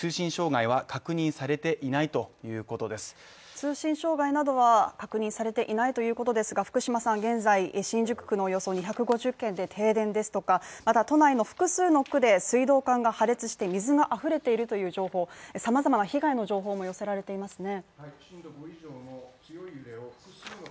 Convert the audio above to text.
通信障害などは確認されていないということですが現在、新宿区のおよそ２５０軒で停電ですとかまた都内の複数の区で水道管が破裂して水があふれているという情報さまざまな被害の情報も寄せられていますね。